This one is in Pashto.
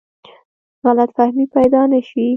غلط فهمۍ پیدا نه شي.